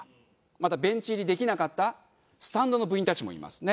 またベンチ入りできなかったスタンドの部員たちもいますね。